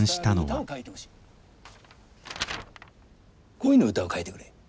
恋の歌を書いてくれ。